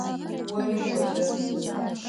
Ори одэ.